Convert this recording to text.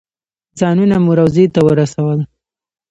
ځانونه مو روضې ته ورسول.